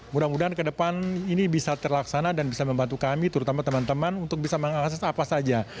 mudah mudahan ke depan ini bisa terlaksana dan bisa membantu kami terutama teman teman untuk bisa mengakses apa saja